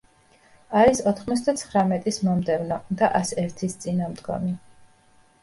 არის ოთხმოცდაცხრამეტის მომდევნო და ას ერთის წინამდგომი.